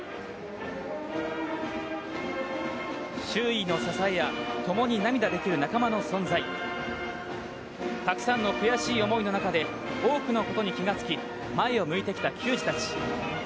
周囲の支えやともに涙できる仲間の存在、たくさんの悔しい思いの中で、多くのことに気がつき、前を向いてきた球児たち。